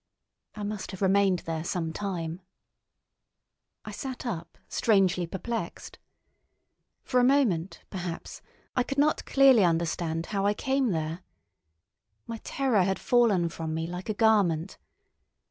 I must have remained there some time. I sat up, strangely perplexed. For a moment, perhaps, I could not clearly understand how I came there. My terror had fallen from me like a garment.